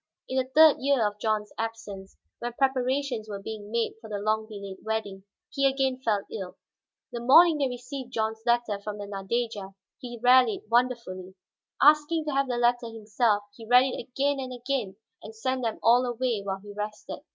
In the third year of John's absence, when preparations were being made for the long delayed wedding, he again fell ill. The morning they received John's letter from the Nadeja, he rallied wonderfully. Asking to have the letter himself, he read it again and again, then sent them all away while he rested.